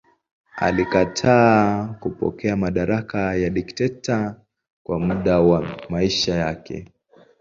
Alikataa kupokea madaraka ya dikteta kwa muda wa maisha yake.